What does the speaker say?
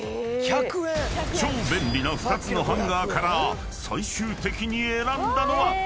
［超便利な２つのハンガーから最終的に選んだのは］